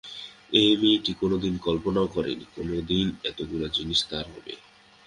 এই মেয়েটি কোনোদিন কল্পনাও করে নি, কোনোদিন এতগুলো জিনিস তার হবে।